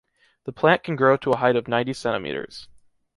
The plant can grow to a height of ninety centimeters.